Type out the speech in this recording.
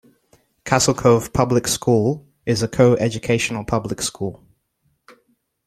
Castle Cove Public School is a co-educational public school.